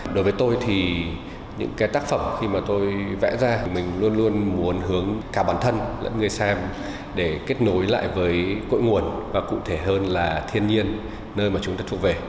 đối với tôi thì những cái tác phẩm khi mà tôi vẽ ra mình luôn luôn muốn hướng cả bản thân lẫn người xem để kết nối lại với cội nguồn và cụ thể hơn là thiên nhiên nơi mà chúng ta thuộc về